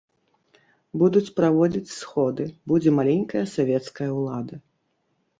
Будуць праводзіць сходы, будзе маленькая савецкая ўлада.